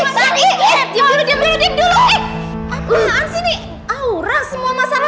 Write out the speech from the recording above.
semoga bening balik ke sana